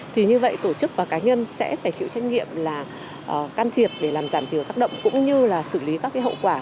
thì như vậy tổ chức và cá nhân sẽ phải chịu trách nhiệm là can thiệp để làm giảm thiểu tác động cũng như là xử lý các cái hậu quả